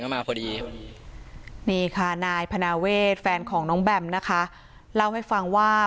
มาพอดีนี่ค่ะนายพนาเวทแฟนของน้องแบมนะคะเล่าให้ฟังว่า